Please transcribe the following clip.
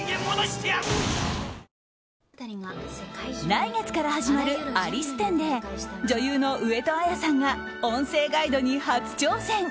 来月から始まるアリス展で女優の上戸彩さんが音声ガイドに初挑戦。